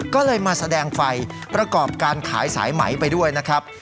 ก็เลยมาแสดงไฟประกอบการขายสายไหมไปด้วยนะครับ